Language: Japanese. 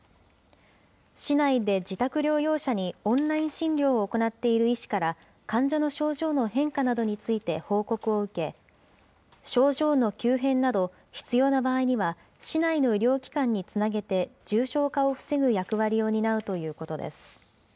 市内で自宅療養者にオンライン診療を行っている医師から、患者の症状の変化などについて報告を受け、症状の急変など、必要な場合には、市内の医療機関につなげて、重症化を防ぐ役割を担うということです。